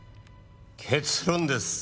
結論です。